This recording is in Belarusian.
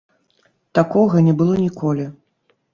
Такога не было ніколі.